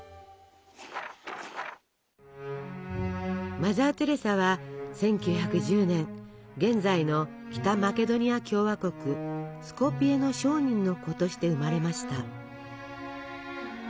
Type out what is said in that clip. マザー・テレサは１９１０年現在の北マケドニア共和国スコピエの商人の子として生まれました。